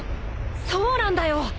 そうなんだよ。